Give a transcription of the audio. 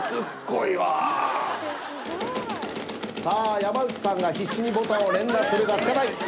さあ山内さんが必死にボタンを連打するがつかない！